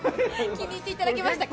気に入っていただけましたか？